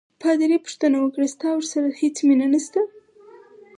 پادري پوښتنه وکړه: ستا ورسره هیڅ مینه نشته؟